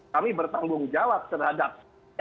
kami bertanggung jawab terhadap